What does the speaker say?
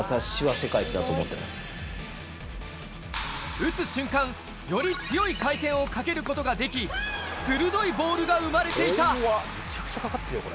打つ瞬間、より強い回転をかけることができ、鋭いボールが生まれていた。